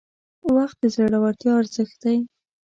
• وخت د زړورتیا ارزښت دی.